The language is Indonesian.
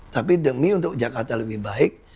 tapi demi untuk jakarta lebih baik